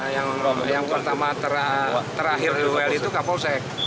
yang pertama terakhir duel itu kapolsek